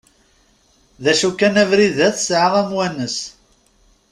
D acu kan abrid-a tesɛa amwanes.